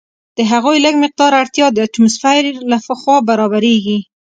د هغوی لږ مقدار اړتیا د اټموسفیر لخوا برابریږي.